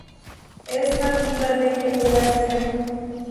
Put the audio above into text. Es nativa de Eurasia.